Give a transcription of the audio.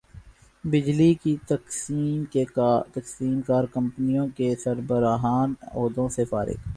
بجلی کی تقسیم کار کمپنیوں کے سربراہان عہدوں سے فارغ